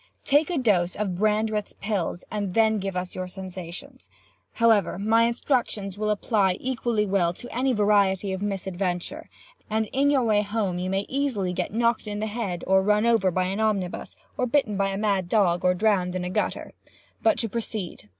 Take a dose of Brandreth's pills, and then give us your sensations. However, my instructions will apply equally well to any variety of misadventure, and in your way home you may easily get knocked in the head, or run over by an omnibus, or bitten by a mad dog, or drowned in a gutter. But to proceed.